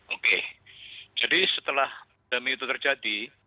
oke jadi setelah demi itu terjadi